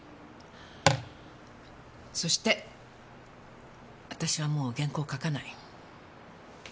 そしてあたしはもう原稿書かない。